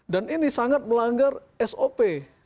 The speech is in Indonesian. ini sangat melanggar sop